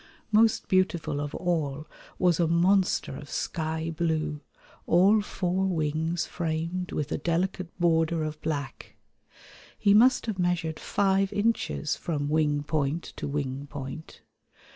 Most beautiful of all was a monster of sky blue, all four wings framed with a delicate border of black. He must have measured five inches from wing point to wing point.